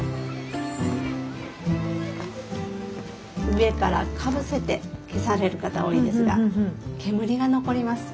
上からかぶせて消される方多いんですが煙が残ります。